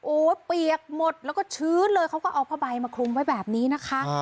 โอ้โหเปียกหมดแล้วก็ชื้นเลยเขาก็เอาผ้าใบมาคลุมไว้แบบนี้นะคะ